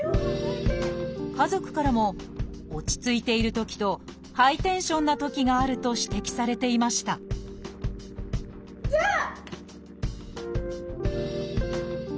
家族からも落ち着いているときとハイテンションなときがあると指摘されていましたじゃあ！